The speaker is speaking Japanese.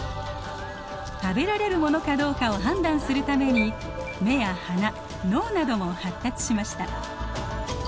食べられるものかどうかを判断するために眼や鼻脳なども発達しました。